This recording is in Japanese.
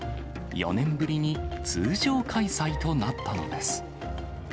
４年ぶりに通常開催となったのです。